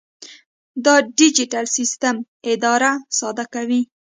دا ډیجیټل سیسټم اداره ساده کوي.